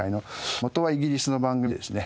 元はイギリスの番組でですね